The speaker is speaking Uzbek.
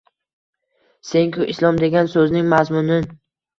Sen-ku «Islom» degan so’zning mazmunin